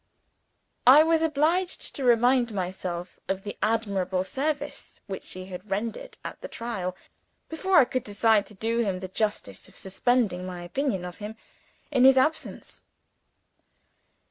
I was obliged to remind myself of the admirable service which he had rendered at the trial, before I could decide to do him the justice of suspending my opinion of him, in his absence.